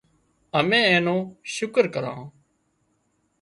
امين اين نو شڪر ڪران